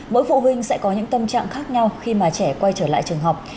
mỗi phụ huynh sẽ có những tâm trạng khác nhau khi mà trẻ quay trở lại trường học